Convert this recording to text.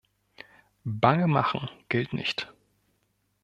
Bangemachen gilt nicht!